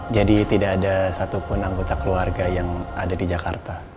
jadi tidak ada satupun anggota keluarga yang ada di jakarta